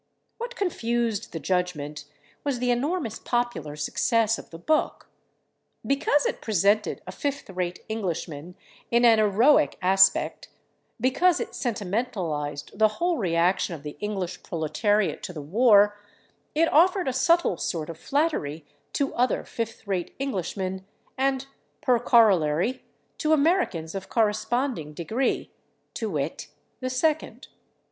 What confused the judgment was the enormous popular success of the book. Because it presented a fifth rate Englishman in an heroic aspect, because it sentimentalized the whole reaction of the English proletariat to the war, it offered a subtle sort of flattery to other fifth rate Englishmen, and, per corollary, to Americans of corresponding degree, to wit, the second.